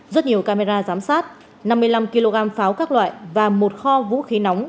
rất nhiều camera giám sát năm mươi năm kg pháo các loại và một kho vũ khí nóng